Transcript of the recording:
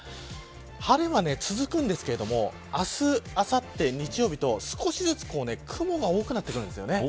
晴れは続くんですけれども明日あさって、日曜日と少しずつ雲が多くなってくるんです。